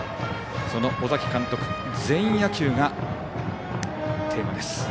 その尾崎監督全員野球がテーマです。